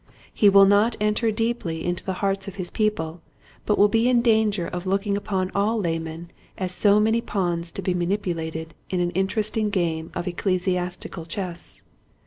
He will not enter deeply into the hearts of his people but will be in danger of looking upon all laymen as so many pawns to be manipulated in an inter esting game of ecclesiastical chess.